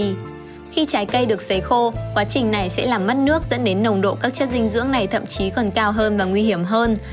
khi trái cây được xấy khô quá trình này sẽ làm mất nước dẫn đến nồng độ các chất dinh dưỡng này thậm chí còn cao hơn và nguy hiểm hơn